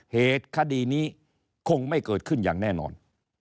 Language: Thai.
เหตุคดีนี้คงไม่เกิดขึ้นอย่างแน่นอน